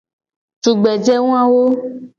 Tugbeje wawo.